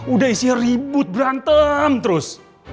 udah isi ribut berantem terus